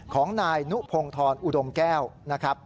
ของนายนุพงธรอุดมแก้วนะครับ